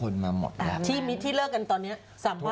โอ๊ตปาโมดอีกเรื่องนึงเดี๋ยว